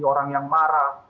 orang yang marah